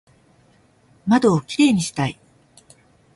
窓をキレイにしたい